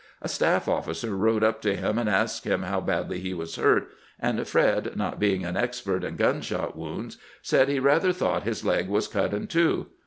A staff ofiicer rode up to him, and asked him how badly he was hurt ; and Fred, not being an ex pert in gunshot wounds, said he rather thought his leg was cut in two.